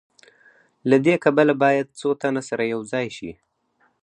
له دې کبله باید څو تنه سره یوځای شي